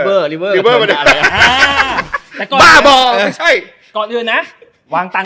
ลิเวอร์ลิเวอร์อะไรอ่าบ้าบอไม่ใช่ก่อนอื่นนะวางตัน